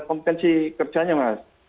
kompetensi kerjanya mas